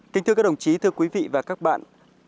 kính thưa các đồng chí thưa quý vị và các bạn